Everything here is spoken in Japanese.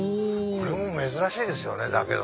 これも珍しいですよね。